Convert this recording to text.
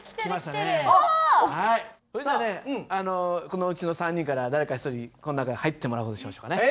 このうちの３人から誰か１人この中へ入ってもらう事にしましょうかね。